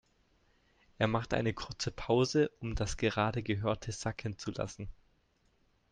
Er macht eine kurze Pause, um das gerade Gehörte sacken zu lassen.